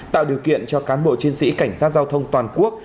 tạo điều kiện cho cán bộ chiến sĩ cảnh sát giao thông toàn quốc